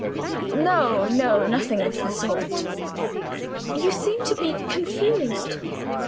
"No, no! nothing of the sort!" "You seem to be confused."